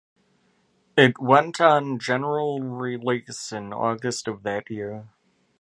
It went on general release in August of that year.